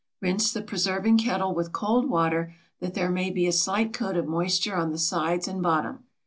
Rinse the preserving kettle with cold water that there may be a slight coat of moisture on the sides and bottom.